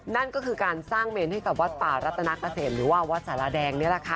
นั่นก็คือการสร้างเมนให้กับวัดป่ารัตนาเกษมหรือว่าวัดสารแดงนี่แหละค่ะ